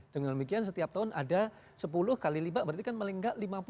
dengan demikian setiap tahun ada sepuluh kali lipat berarti kan paling nggak lima puluh